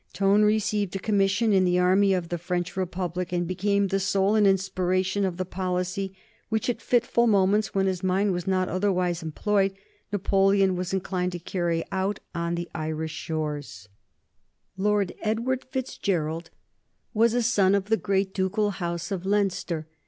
Tone received a commission in the army of the French Republic, and became the soul and the inspiration of the policy which at fitful moments, when his mind was not otherwise employed, Napoleon was inclined to carry out on the Irish shores. [Sidenote: 1763 98 Lord Edward Fitzgerald] Lord Edward Fitzgerald was a son of the great ducal house of Leinster.